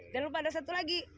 dan lupa ada satu lagi